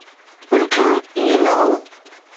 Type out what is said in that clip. بلڪل ائين نه هو.